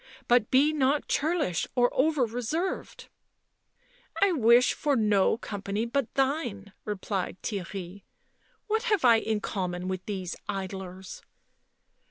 " But be not churlish or over reserved." " I wish for no company but thine," replied Theirry. " What have I in common with these idlers?"